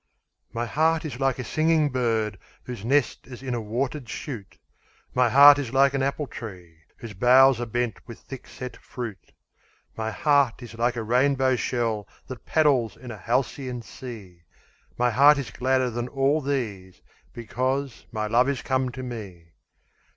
My heart is like a singing bird Whose nest is in a watered shoot; My heart is like an apple tree Whose boughs are bent with thick set fruit; My heart is like a rainbow shell That paddles in a halcyon sea; My heart is gladder than all these Because my love is come to me.